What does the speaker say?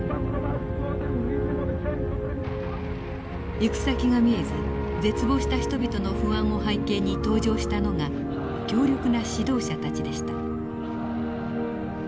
行く先が見えず絶望した人々の不安を背景に登場したのが強力な指導者たちでした。